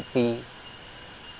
kepul dan wanggisan